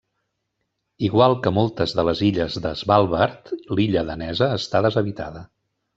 Igual que moltes de les illes de Svalbard, l'illa Danesa està deshabitada.